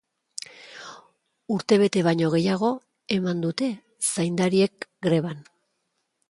Urtebete baino gehiago eman dute zaindariek greban.